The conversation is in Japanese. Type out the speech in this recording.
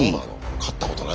勝ったことないんだ。